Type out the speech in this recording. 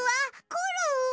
コロンは？